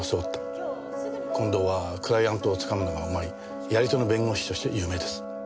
近藤はクライアントを掴むのがうまいやり手の弁護士として有名です。